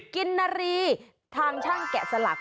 กินนารีทางช่างแกะสลัก